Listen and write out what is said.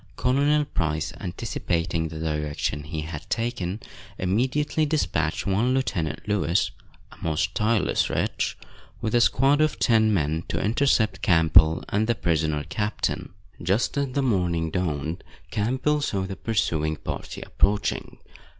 Colonel Price, anticipating the direction he had taken, immediately dispatched one Lieutenant Lewis, a most tireless wretch, with a squad of ten men, to intercept Campbell, and the prisoner captain. Just as the morning dawned, Campbell saw the pursuing party approaching.